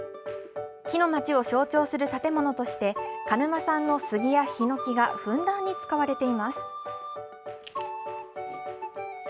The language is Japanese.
木のまちを象徴する建物として、鹿沼産の杉やヒノキがふんだんに使われています。